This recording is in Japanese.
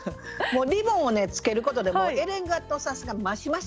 リボンをつけることでエレガントさが増しましたね。